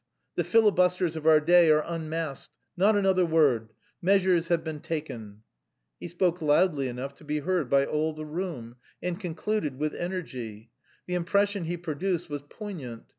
The filibusters of our day are unmasked. Not another word. Measures have been taken...." He spoke loudly enough to be heard by all the room, and concluded with energy. The impression he produced was poignant.